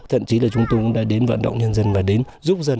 thậm chí là chúng tôi cũng đã đến vận động nhân dân và đến giúp dân